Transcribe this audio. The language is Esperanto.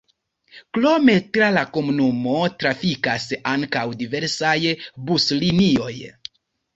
Krome tra la komunumo trafikas ankaŭ diversaj buslinioj.